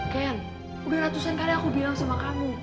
ken udah ratusan kali aku bilang sama kamu